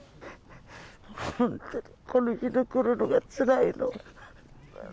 本当に、この日が来るのがつらいの。